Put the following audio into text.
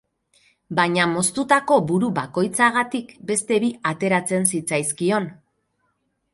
Baina moztutako buru bakoitzagatik, beste bi ateratzen zitzaizkion.